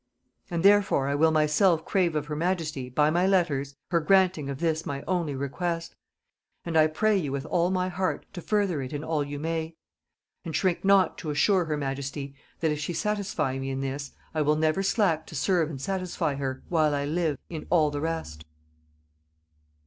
And therefore I will myself crave of her majesty, by my letters, her granting of this my only request; and I pray you with all my heart to further it in all you may; and shrink not to assure her majesty, that if she satisfy me in this, I will never slack to serve and satisfy her, while I live, in all the rest.'